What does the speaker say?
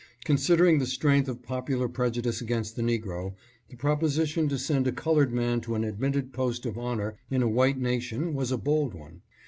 Considering the strength of popular prejudice against the negro, the proposition to send a colored man to an admitted post of honor in a white nation was a bold one.